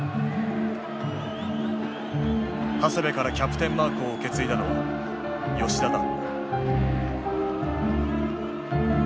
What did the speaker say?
長谷部からキャプテンマークを受け継いだのは吉田だ。